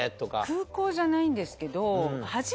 空港じゃないんですけど。